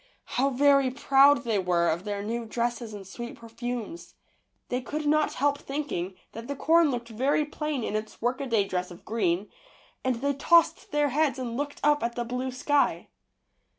How very proud they were of their new dresses and sweet perfumes! They could not help thinking that the corn looked very plain in its work a day dress of green, and they tossed their heads and looked up at the blue sky.